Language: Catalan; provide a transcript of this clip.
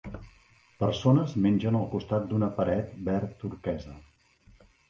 Persones mengen al costat d'una paret verd turquesa.